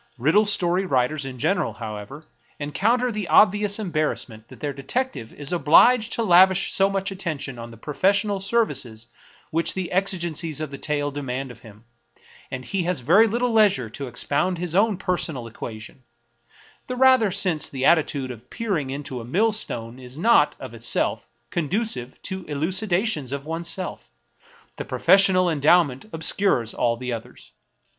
Riddle story writers in gen eral, however, encounter the obvious embarrassment that their detective is obliged to lavish so much attention on the professional services which the exigencies of the tale de mand of him, that he has very little leisure to expound his own personal equation — the rather since the attitude of peering into a millstone is not, of itself, conducive to eluci dations of oneself; the professional endowment obscures all the others.